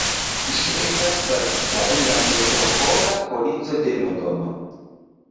Ĝi estas bazita en la Metropola Polico de Londono.